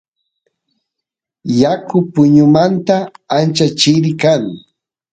yaku puñumanta ancha churi kan